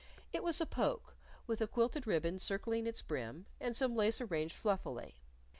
It was a poke, with a quilted ribbon circling its brim, and some lace arranged fluffily.